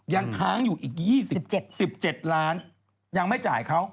ยังค้างอยู่อีก๒๗๑๗ล้านยังไม่จ่ายเขา